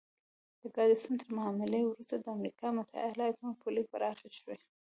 د ګاډسن تر معاملې وروسته د امریکا متحده ایالتونو پولې پراخې شوې.